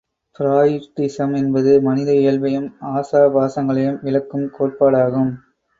Freudism என்பது மனித இயல்பையும் ஆசாபாசங்களையும் விளக்கும் கோட்பாடாகும்.